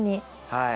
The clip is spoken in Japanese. はい。